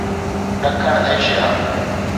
ڏکڻ ايشيا